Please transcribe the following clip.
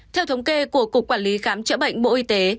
theo thống kê của cục quản lý khám chữa bệnh bộ y tế